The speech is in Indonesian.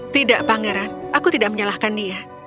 tidak pangeran aku tidak menyalahkan dia